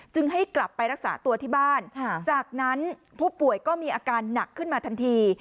ให้กลับไปรักษาตัวที่บ้านจากนั้นผู้ป่วยก็มีอาการหนักขึ้นมาทันที